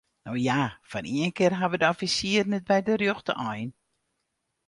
No ja, foar ien kear hawwe de offisieren it by de rjochte ein.